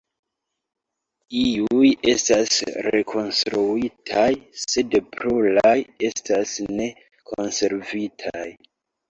Iuj estas rekonstruitaj, sed pluraj estas ne konservitaj.